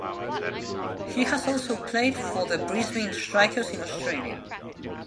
He has also played for the Brisbane Strikers in Australia.